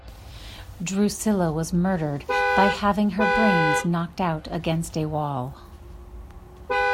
Drusilla was murdered by having her brains knocked out against a wall.